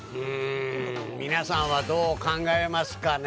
皆さんはどう考えますかね。